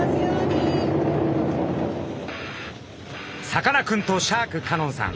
さかなクンとシャーク香音さん